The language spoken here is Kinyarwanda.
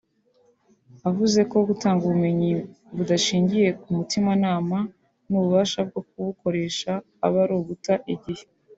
Avuze ko gutanga ubumenyi budashingiye ku mutimanama n’ububasha bwo kubukoresha aba ari uguta igihe